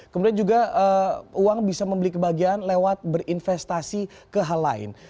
kemudian juga uang bisa membeli kebahagiaan lewat berinvestasi ke hal lain